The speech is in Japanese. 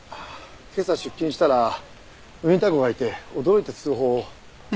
今朝出勤したらウィンター号がいて驚いて通報を。